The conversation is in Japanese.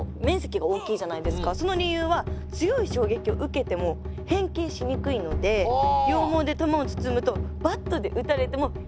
その理由は強い衝撃を受けても変形しにくいので羊毛で球を包むとバットで打たれても変形しないということで。